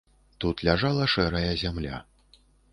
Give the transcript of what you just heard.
Тут ляжала шэрая зямля.